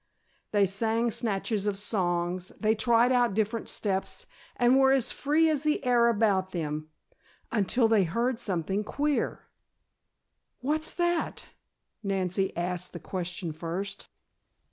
They sang snatches of songs, they tried out different steps and were as free as the air about them; until they heard something queer. "What's that?" Nancy asked the question first.